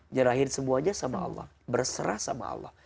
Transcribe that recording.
nyerahin semuanya sama allah berserah sama allah